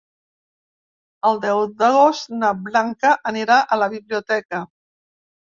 El deu d'agost na Blanca anirà a la biblioteca.